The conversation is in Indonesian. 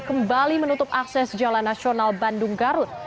kembali menutup akses jalan nasional bandung garut